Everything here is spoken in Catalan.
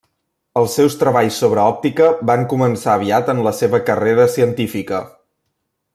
Els seus treballs sobre òptica van començar aviat en la seva carrera científica.